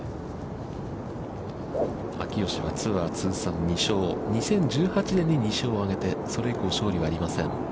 秋吉はツアー通算２勝、２０１８年に２勝を挙げて、それ以降、勝利がありません。